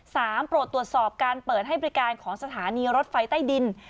โปรดตรวจสอบการเปิดให้บริการของสถานีรถไฟใต้ดิน